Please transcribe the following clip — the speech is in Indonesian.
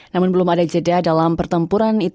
namun belum ada jeda dalam pertempuran itu sendiri